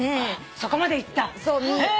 そこまでいった？